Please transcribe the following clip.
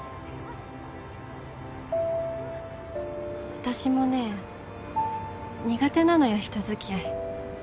私もね苦手なのよ人付き合い。